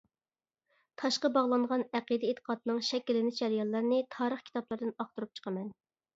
تاشقا باغلانغان ئەقىدە-ئېتىقادنىڭ شەكىللىنىش جەريانلىرىنى تارىخ كىتابلىرىدىن ئاختۇرۇپ چىقىمەن.